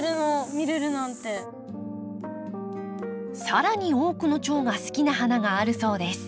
更に多くのチョウが好きな花があるそうです。